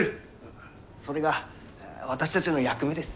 それが私たちの役目です。